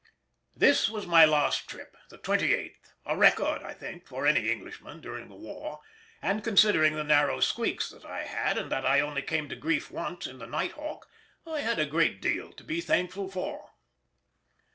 This was my last trip, the twenty eighth—a record, I think, for any Englishman during the war, and considering the narrow squeaks that I had, and that I only came to grief once in the Night Hawk, I had a great deal to be thankful for.